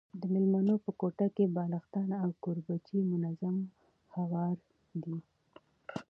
د مېلمنو په کوټه کي بالښتان او کوربچې منظم هواري دي.